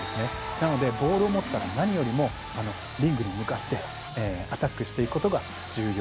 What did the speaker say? なので、ボールを持ったら何よりもリングに向かってアタックしていくことが重要。